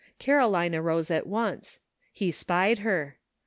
Caroline arose at once. He spied her.